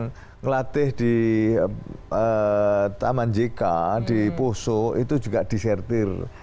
yang ngelatih di taman jk di poso itu juga disertir